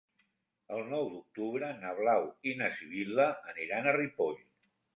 El nou d'octubre na Blau i na Sibil·la aniran a Ripoll.